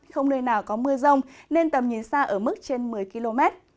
không nơi nào có mưa rông nên tầm nhìn xa ở mức trên một mươi km